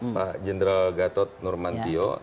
pak jendral gatot nurmantio